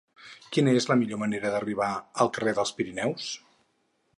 Quina és la millor manera d'arribar al carrer dels Pirineus?